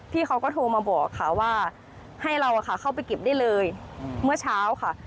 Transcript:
พี่เขาก็โทรมาบอกค่ะว่าให้เราเข้าไปเก็บได้เลยเมื่อเช้าค่ะ